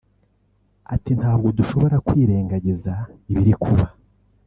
Ati” Ntabwo dushobora kwirengagiza ibiri kuba